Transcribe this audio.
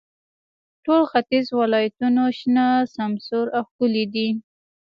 ټول ختیځ ولایتونو شنه، سمسور او ښکلي دي.